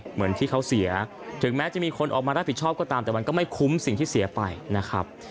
เหมือนที่เขาเสียถึงแม้จะมีคนออกมารับผิดชอบก็ตามแต่มันก็ไม่คุ้มสิ่งที่เสียไปนะครับ